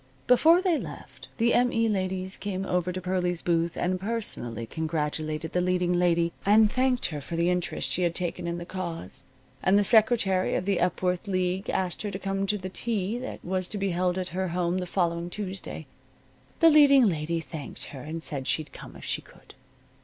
Before they left, the M. E. ladies came over to Pearlie's booth and personally congratulated the leading lady, and thanked her for the interest she had taken in the cause, and the secretary of the Epworth League asked her to come to the tea that was to be held at her home the following Tuesday. The leading lady thanked her and said she'd come if she could.